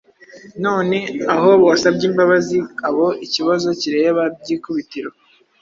None aho wasabye imbabazi abo ikibazo kireba by’ikubitiro,